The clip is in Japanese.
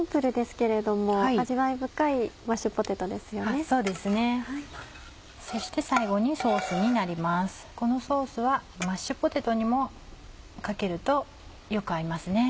このソースはマッシュポテトにもかけるとよく合いますね。